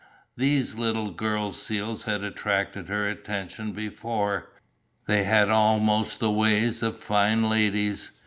These little girl seals had attracted her attention before, they had almost the ways of fine ladies.